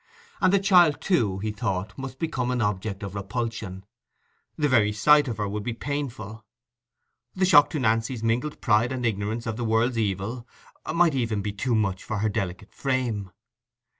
And the child, too, he thought, must become an object of repulsion: the very sight of her would be painful. The shock to Nancy's mingled pride and ignorance of the world's evil might even be too much for her delicate frame.